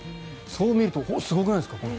そう見るとすごくないですか？